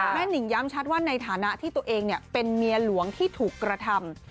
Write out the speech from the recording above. หนิ่งย้ำชัดว่าในฐานะที่ตัวเองเป็นเมียหลวงที่ถูกกระทำ